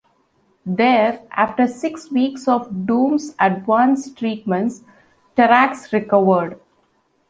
There, after six weeks of Doom's advanced treatments, Terrax recovered.